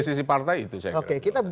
yang ada di